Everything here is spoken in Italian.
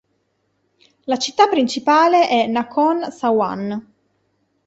La città principale è Nakhon Sawan.